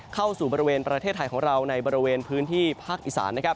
เข้าสู่บริเวณประเทศไทยของเราในบริเวณพื้นที่ภาคอีสานนะครับ